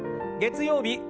月曜日